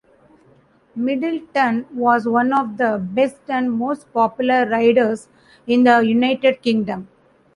Middleton was one of the best and most popular riders in the United Kingdom.